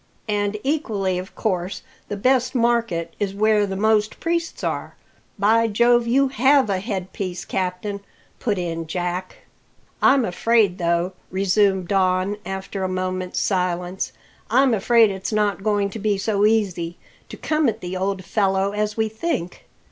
"And equally of course the best market is where the most priests are. By Jove, you have a headpiece, captain!" put in Jack. "I'm afraid, though," resumed Don, after a moment's silence, "I'm afraid it's not going to be so easy to come at the old fellow as we think.